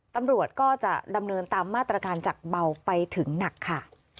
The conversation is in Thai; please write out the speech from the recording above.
ตำรวจก็จะดำเนินตามมาตรการจากเบาไปถึงหนักค่ะ